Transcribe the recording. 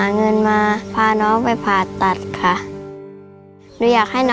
น้องเกิดมาพิการเป็นโรคปากแบ่งประดาษหนูค่ะรุนแรงค่ะ